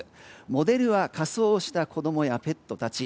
モデルは仮装をした子供やペットたち。